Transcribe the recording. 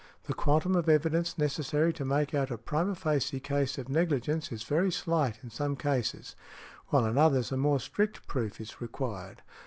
The quantum of evidence necessary to make out a primâ facie case of negligence is very slight in some cases, while in others a more strict proof is required.